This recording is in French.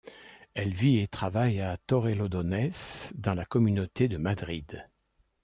Elle vit et travaille à Torrelodones, dans la communauté de Madrid.